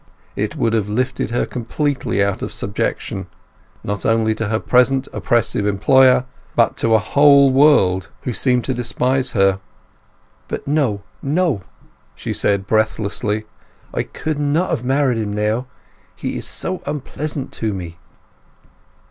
It would have lifted her completely out of subjection, not only to her present oppressive employer, but to a whole world who seemed to despise her. "But no, no!" she said breathlessly; "I could not have married him now! He is so unpleasant to me."